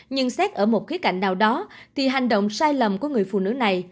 nhưng xét ở một khía cạnh nào đó thì hành động sai lầm của người phụ nữ này